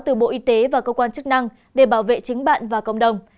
từ bộ y tế và cơ quan chức năng để bảo vệ chính bạn và cộng đồng